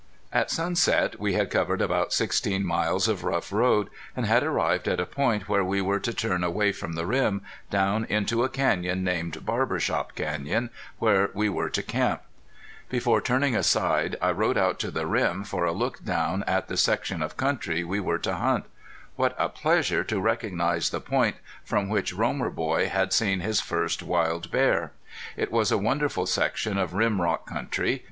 At sunset we had covered about sixteen miles of rough road, and had arrived at a point where we were to turn away from the rim, down into a canyon named Barber Shop Canyon, where we were to camp. [Illustration: Z.G.'S CINNAMON BEAR] [Illustration: R.C.'S BIG BROWN BEAR] Before turning aside I rode out to the rim for a look down at the section of country we were to hunt. What a pleasure to recognize the point from which Romer boy had seen his first wild bear! It was a wonderful section of rim rock country.